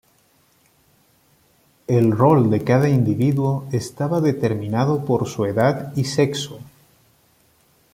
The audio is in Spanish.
El rol de cada individuo estaba determinado por su edad y sexo.